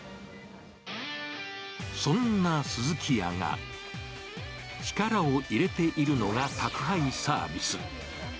そんなスズキヤが、力を入れているのが宅配サービス。